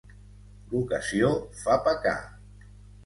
L'ocasió fa pecar.